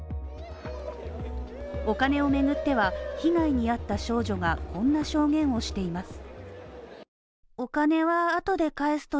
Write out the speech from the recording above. お金を巡っては、被害に遭った少女がこんな証言をしています。